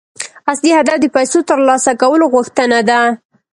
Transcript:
اصلي هدف د پيسو ترلاسه کولو غوښتنه ده.